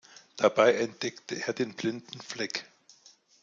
Dabei entdeckte er den Blinden Fleck.